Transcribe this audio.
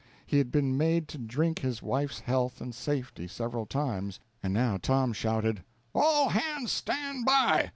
He had been made to drink his wife's health and safety several times, and now Tom shouted: "All hands stand by!